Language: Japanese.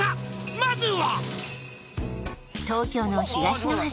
「まずは」